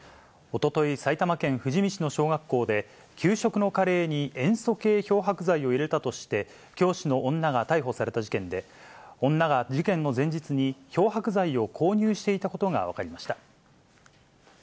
おととい、埼玉県富士見市の小学校で、給食のカレーに塩素系漂白剤を入れたとして、教師の女が逮捕された事件で、女が事件の前日に、漂白剤を購入していたことが分かりました。